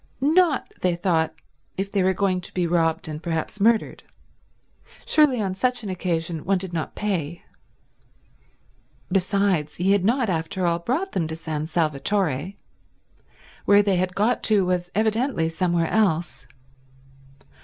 Not, they thought, if they were going to be robbed and perhaps murdered. Surely on such an occasion one did not pay. Besides, he had not after all brought them to San Salvatore. Where they had got to was evidently somewhere else.